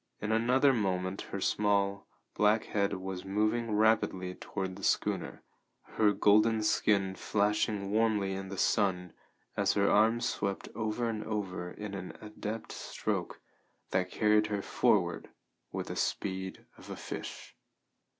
In another moment her small, black head was moving rapidly toward the schooner, her golden skin flashing warmly in the sun as her arms swept over and over in an adept stroke that carried her forward with the speed of a fish.